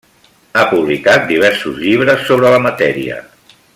Ha publicat diversos llibres sobre la matèria.